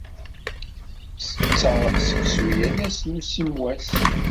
Ttetteɣ seksu yal ass n usimwas.